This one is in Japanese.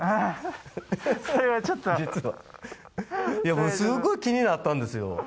僕、すごい気になったんですよ。